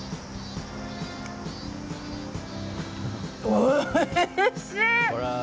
おいしい！